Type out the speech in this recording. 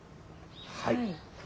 はい。